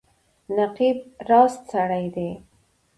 نقيب راسته سړی دی.